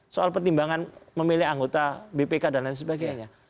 soal pertimbangan memilih anggota bpk dan lain sebagainya